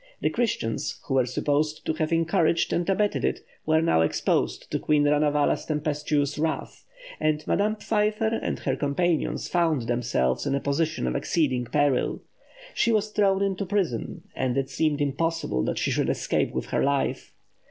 The Christians, who were supposed to have encouraged and abetted it, were now exposed to Queen Ranavala's tempestuous wrath, and Madame Pfeiffer and her companions found themselves in a position of exceeding peril. She was thrown into prison, and it seemed impossible that she should escape with her life.